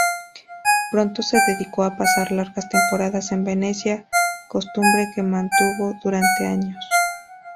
Pronto se dedicó a pasar largas temporadas en Venecia, costumbre que mantuvo durante años.